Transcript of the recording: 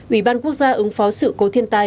ủy ban quốc gia ứng phó sự cố thiên tai